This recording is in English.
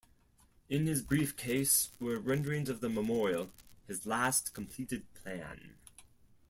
In his briefcase were renderings of the memorial, his last completed plan.